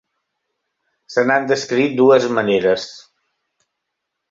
Se n'han descrit dues maneres.